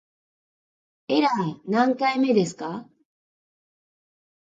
エラー何回目ですか